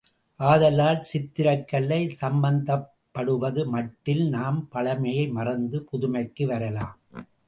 ஆதலால் சித்திரக்கலை சம்பந்தப்படுவது மட்டில் நாம் பழமையை மறந்து புதுமைக்கு வரலாம்.